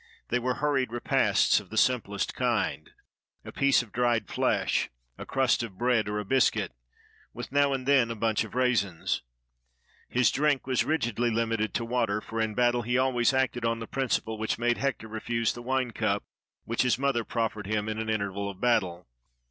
They were hurried repasts of the simplest kind — a piece of dried flesh, a crust of bread, or a biscuit, with now and then a bunch of raisins. His drink was rigidly limited to water, for in battle he always acted on the principle which made Hector refuse the wine cup which his mother proffered him in an interval of battle.